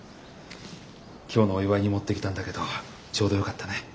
今日のお祝いに持ってきたんだけどちょうどよかったね。